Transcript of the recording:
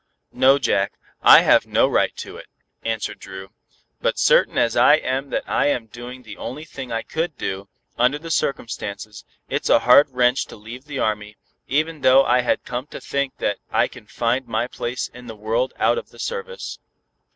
"No, Jack, I have no right to it," answered Dru, "but certain as I am that I am doing the only thing I could do, under the circumstances, it's a hard wrench to leave the Army, even though I had come to think that I can find my place in the world out of the service."